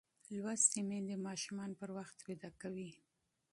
لوستې میندې ماشومان پر وخت ویده کوي.